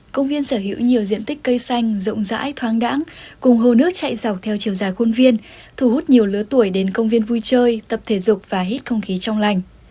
công viên sở hữu nhiều diện tích cây xanh rộng rãi thoáng đẳng cùng hồ nước chạy dọc theo chiều dài khuôn viên thu hút nhiều lứa tuổi đến công viên vui chơi tập thể dục và hít không khí trong lành